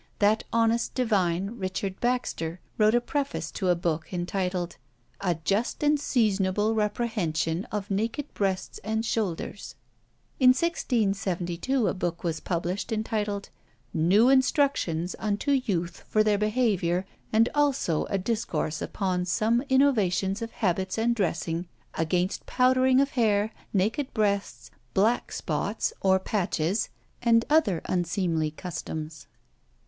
That honest divine, Richard Baxter, wrote a preface to a book, entitled, "A just and seasonable reprehension of naked breasts and shoulders." In 1672 a book was published, entitled, "New instructions unto youth for their behaviour, and also a discourse upon some innovations of habits and dressing; against powdering of hair, naked breasts, black spots (or patches), and other unseemly customs."